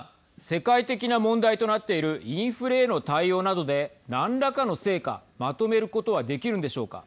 世界的な問題となっているインフレへの対応などで何らかの成果、まとめることはできるんでしょうか。